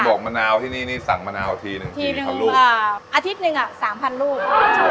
กมะนาวที่นี่นี่สั่งมะนาวทีหนึ่งทีหนึ่งลูกอาทิตย์หนึ่งอ่ะสามพันลูก